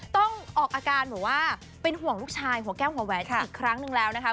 ต้องออกอาการบอกว่าเป็นห่วงลูกชายหัวแก้วหัวแหวนอีกครั้งหนึ่งแล้วนะคะ